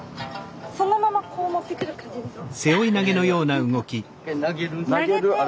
そのままこう持ってくる感じですか？